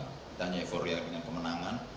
mungkin kita hanya euphoria dengan kemenangan